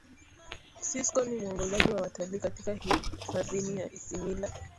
sisco ni muongozaji wa watalii katika hifadhini ya isimila